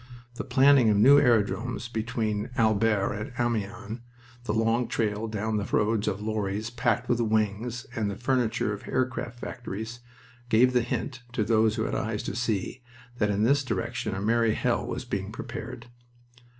The planting of new airdromes between Albert and Amiens, the long trail down the roads of lorries packed with wings and the furniture of aircraft factories, gave the hint, to those who had eyes to see, that in this direction a merry hell was being prepared.